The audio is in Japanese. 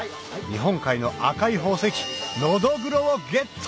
日本海の赤い宝石のどぐろをゲット！